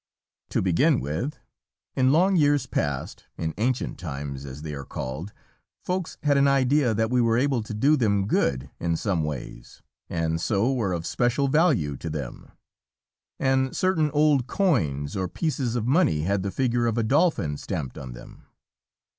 To begin with: In long years past, in "ancient times," as they are called, Folks had an idea that we were able to do them good in some ways, and so were of special value to them. And certain old coins or pieces of money had the figure of a Dolphin stamped on them.